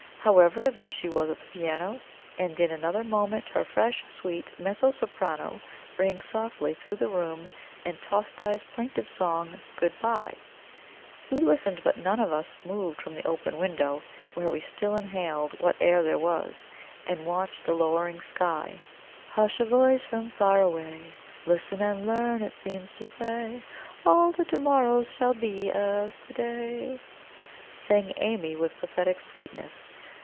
However, there she was at the piano, and in another moment her fresh, sweet mezzo soprano rang softly through the room in Tosti's plaintive song, "Good bye!" We listened, but none of us moved from the open window where we still inhaled what air there was, and watched the lowering sky. "Hush! a voice from the far away, 'Listen and learn,' it seems to say; 'All the to morrows shall be as to day,'" sang Amy with pathetic sweetness.